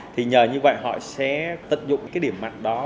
thì nhờ như vậy họ sẽ tận dụng cái điểm mặt đó